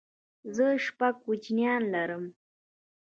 زه شپږ کوچنيان لرم